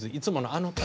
あの方？